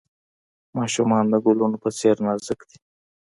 ماشومان د ګلونو په څیر نازک دي.